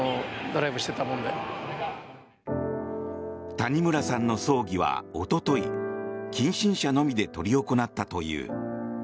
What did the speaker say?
谷村さんの葬儀は、おととい近親者のみで執り行ったという。